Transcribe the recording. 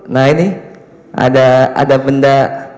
nah ini ada benda